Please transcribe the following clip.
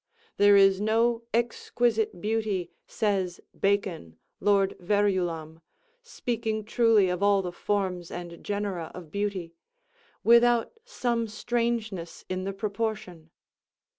"There is no exquisite beauty," says Bacon, Lord Verulam, speaking truly of all the forms and genera of beauty, "without some strangeness in the proportion."